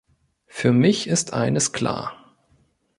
Für mich ist eines klar.